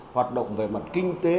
hoạt động về mặt kinh tế